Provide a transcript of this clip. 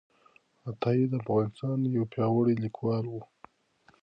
عطايي د افغانستان یو پیاوړی لیکوال و.